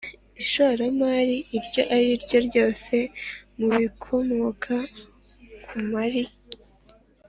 Ishoramari iryo ariryo ryose mu bikomoka ku mari